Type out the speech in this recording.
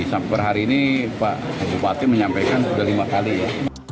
sampai per hari ini pak bupati menyampaikan sudah lima kali ya